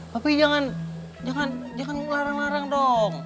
tapi jangan jangan jangan larang larang dong